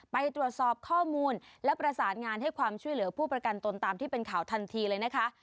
ไปตรวจสอบข้อมูลและประสานงานให้ความช่วยเหลือผู้ประกันตนตามที่เป็นข่าวทันทีเลยนะคะ